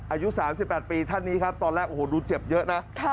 อายุ๓๘ปีท่านนี้ครับตอนแรกโอ้โหดูเจ็บเยอะนะ